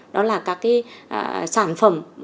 đó là các sản phẩm du lịch đó là các sản phẩm du lịch